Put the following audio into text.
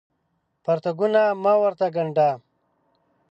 پرتوګونه مه ورته ګاڼډه